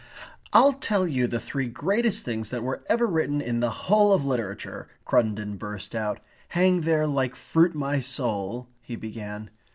"I'll tell you the three greatest things that were ever written in the whole of literature," Cruttendon burst out. "'Hang there like fruit my soul.'" he began....